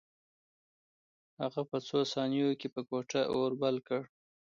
هغه په څو ثانیو کې په کوټه اور بل کړ